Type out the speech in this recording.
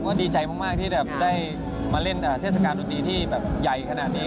ก็ดีใจมากที่แบบได้มาเล่นเทศกาลดนตรีที่แบบใหญ่ขนาดนี้